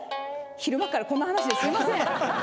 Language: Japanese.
昼間っからこんな話ですいません。